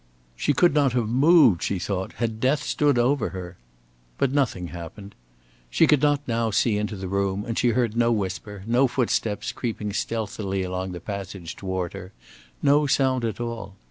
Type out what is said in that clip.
She could not have moved, she thought, had Death stood over her. But nothing happened. She could not now see into the room, and she heard no whisper, no footsteps creeping stealthily along the passage toward her, no sound at all.